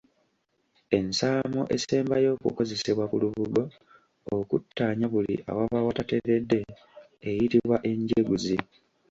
Ensaamo esembayo okukozesebwa ku lubugo okuttaanya buli awaba watateredde eyitibwa Enjeguzi.